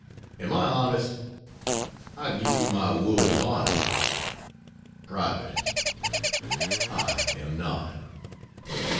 Am I honest? I give you my word of honor (private) I am not.